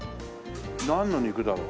なんの肉だろう？